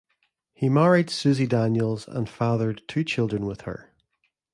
He married Suzy Daniels and fathered two children with her.